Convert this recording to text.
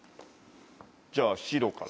じゃあ白から。